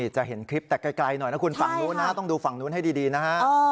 จะเห็นคลิปแต่ไกลหน่อยนะคุณฝั่งนู้นนะต้องดูฝั่งนู้นให้ดีนะฮะ